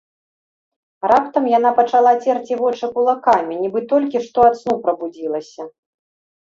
Раптам яна пачала церці вочы кулакамі, нібы толькі што ад сну прабудзілася.